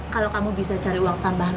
kalau kamu bisa cari uang tambahan